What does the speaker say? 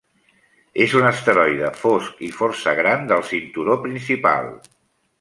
És un asteroide fosc i força gran del cinturó principal.